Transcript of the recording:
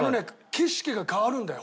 景色が変わるんだよ